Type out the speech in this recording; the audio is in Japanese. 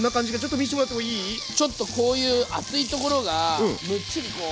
ちょっとこういう厚いところがムッチリこう。